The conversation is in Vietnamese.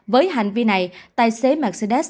với hành vi này tài xế mercedes